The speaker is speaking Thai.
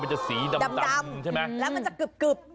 จะสีดำใช่ไหมแล้วมันจะกึบ